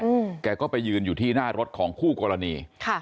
อืมแกก็ไปยืนอยู่ที่หน้ารถของคู่กรณีค่ะ